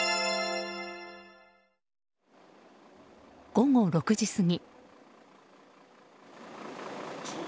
午後６時過ぎ。